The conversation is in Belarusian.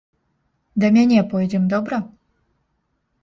Да мяне пойдзем, добра?